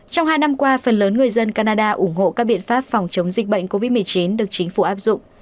trong hai năm qua phần lớn người dân canada ủng hộ các biện pháp phòng chống dịch bệnh covid một mươi chín được chính phủ áp dụng